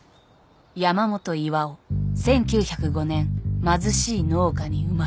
「山本巌」「１９０５年貧しい農家に生まれる」